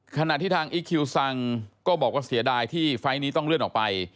ขณะที่ทางอีคคิวซังก็บอกว่าเสียดายที่ไฟล์นี้ต้องเลื่อนออกไป